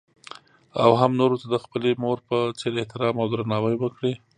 او هـم نـورو تـه د خـپلې مـور پـه څـېـر احتـرام او درنـاوى وکـړي.